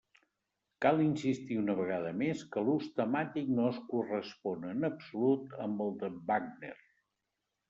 Cal insistir una vegada més que l'ús temàtic no es correspon en absolut amb el de Wagner.